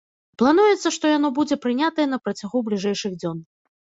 Плануецца, што яно будзе прынятае на працягу бліжэйшых дзён.